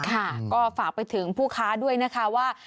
ค่ะก็ฝากไปถึงผู้ค้าด้วยนะคะว่า